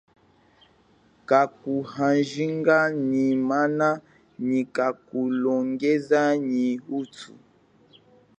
Kakuhanjika nyi mana nyi kakulongesa nyi utu.